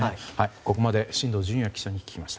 ここまで進藤潤耶記者に聞きました。